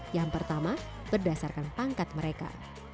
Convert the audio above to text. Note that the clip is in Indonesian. yang pertama berdasarkan pangkat mereka